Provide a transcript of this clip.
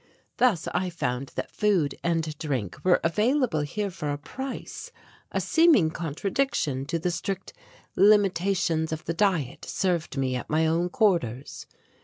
Thus I found that food and drink were here available for a price, a seeming contradiction to the strict limitations of the diet served me at my own quarters.